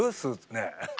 ねえ。